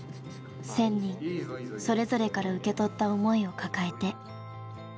１，０００人それぞれから受け取った思いを抱えて。